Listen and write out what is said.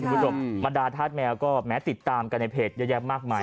คุณผู้ชมมาดาทาสแมวก็แม้ติดตามกันในเพจเยอะแยะมากมาย